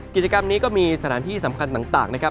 กิจกรรมนี้ก็มีสถานที่สำคัญต่างนะครับ